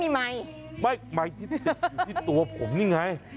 เราไม่มีไมค์